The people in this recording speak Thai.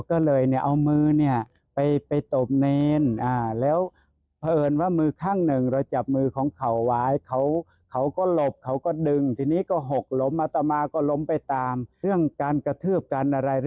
โอ้ยฟังเสียงท่านแล้วไม่น่าเชื่อว่าท่านจะโมโหเลย